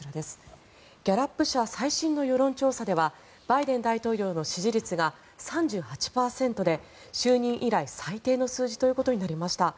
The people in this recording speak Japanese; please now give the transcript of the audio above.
ギャラップ社、最新の世論調査はバイデンの支持率が３８％で就任以来最低の数字ということになりました。